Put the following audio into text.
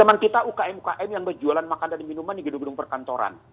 teman kita ukm ukm yang berjualan makan dan minuman di gedung gedung perkantoran